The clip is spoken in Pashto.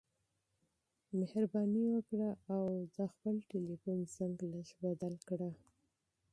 مهرباني وکړه او د خپل ټیلیفون زنګ لږ بدل کړه.